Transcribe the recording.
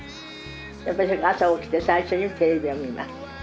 朝起きて最初にテレビを見ます」。